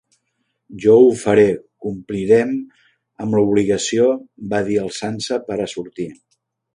Ja ho faré. Compliré am l'obligació,—va dir alçant-se pera sortir.